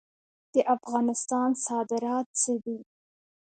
د افغانستان صادرات څه دي؟